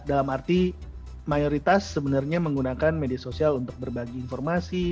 dalam arti mayoritas sebenarnya menggunakan media sosial untuk berbagi informasi